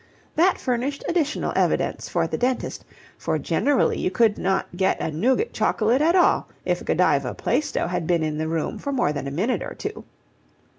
That furnished additional evidence for the dentist, for generally you could not get a nougat chocolate at all if Godiva Plaistow had been in the room for more than a minute or two.